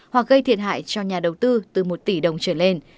hoặc gây thiệt hại cho nhà đầu tư từ một tỷ đồng trở lên